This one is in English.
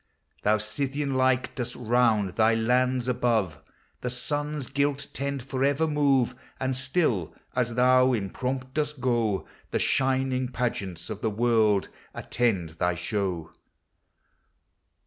Thou, Scythian like, dost round thy lands above The Sun's gilt tent forever move, xVnd still, as thou in pomp dosl go, The shining pageants of the world attend thy show.